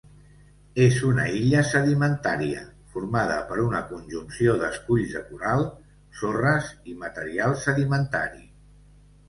És una illa sedimentària, formada per una conjunció d'esculls de coral, sorres i material sedimentari.